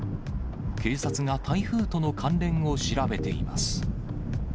警察が台風との関連を調べています。